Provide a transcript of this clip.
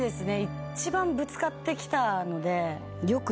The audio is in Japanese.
一番ぶつかってきたので。